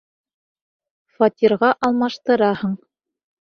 Фатирға алмаштыраһың.